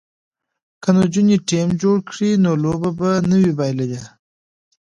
که نجونې ټیم جوړ کړي نو لوبه به نه وي بایللې.